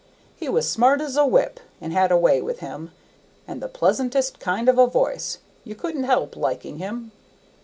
He was smart as a whip, and had a way with him, and the pleasantest kind of a voice; you couldn't help liking him.